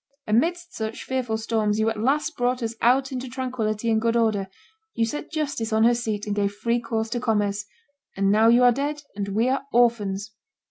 Amidst such fearful storms you at last brought us out into tranquillity and good order; you set justice on her seat and gave free course to commerce. And now you are dead, and we are orphans!"